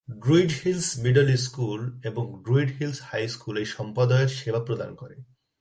Druid Hills middle school এবং Druid Hills high school এই সম্প্রদায়ের সেবা প্রদান করে।